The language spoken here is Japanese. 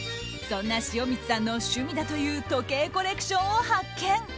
そんな塩満さんの趣味だという時計コレクションを発見。